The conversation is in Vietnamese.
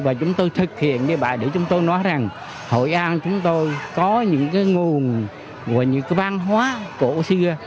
và chúng tôi thực hiện như vậy để chúng tôi nói rằng hội an chúng tôi có những cái nguồn và những cái văn hóa cổ xưa